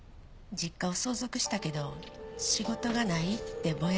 実家を相続したけど仕事がないってぼやいてたから。